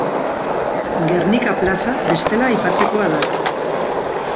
Gernika plaza bestela aipatzekoa da.